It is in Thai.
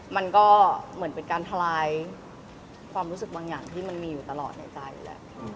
มันก็เหมือนเป็นการทลายความรู้สึกบางอย่างที่มันมีอยู่ตลอดในใจอยู่แล้ว